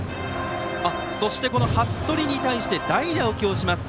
そして、八鳥に対して代打を起用します